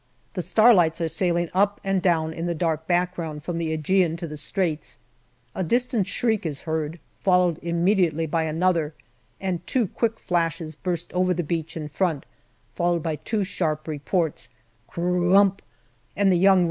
The starlights are sailing up and down in the dark background, from the ^Egean to the Straits. A distant shriek is heard, followed immediately by another, and two quick flashes burst over the beach in front, followed by two sharp reports, " c r r u m p/' and the young R.N.